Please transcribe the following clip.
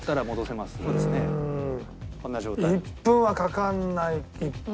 １分はかからない。